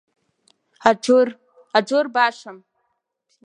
Аџыр, Аџыр башам!